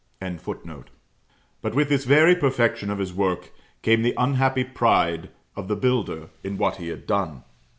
] But with this very perfection of his work came the unhappy pride of the builder in what he had done.